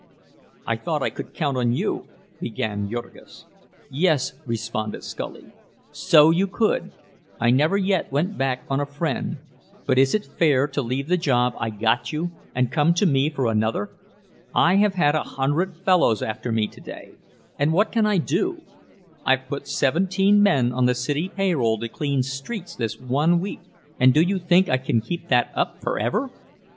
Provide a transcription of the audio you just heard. "I thought I could count on you," began Jurgis. "Yes," responded Scully, "so you could—I never yet went back on a friend. But is it fair to leave the job I got you and come to me for another? I have had a hundred fellows after me today, and what can I do? I've put seventeen men on the city payroll to clean streets this one week, and do you think I can keep that up forever?